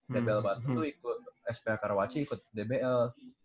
dbl banten itu ikut sph karawaci ikut dbl